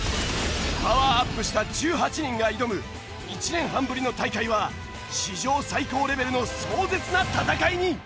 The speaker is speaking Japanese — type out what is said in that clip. パワーアップした１８人が挑む１年半ぶりの大会は史上最高レベルの壮絶な戦いに！